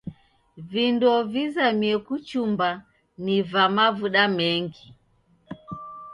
Vindo vizamie kuchumba ni va mavuda mengi.